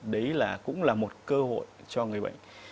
đấy là cũng là một cơ hội cho người bệnh